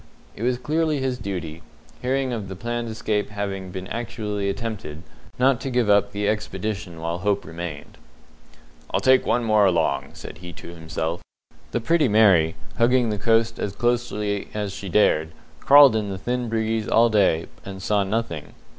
It was clearly his duty hearing of the planned escape having been actually attempted not to give up the expedition while hope remained. "I'll take one more look along," said he to himself. The Pretty Mary, hugging the coast as closely as she dared, crawled in the thin breeze all day, and saw nothing.